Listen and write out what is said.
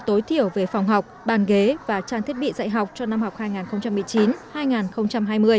tối thiểu về phòng học bàn ghế và trang thiết bị dạy học cho năm học hai nghìn một mươi chín hai nghìn hai mươi